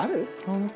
ホント。